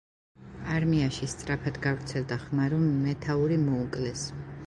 არმიაში სწრაფად გავრცელდა ხმა, რომ მეთაური მოუკლეს.